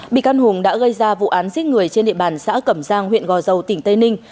bị can hùng đã gây ra vụ án giết người trên địa bàn xã cẩm giang huyện gò dầu tỉnh tây ninh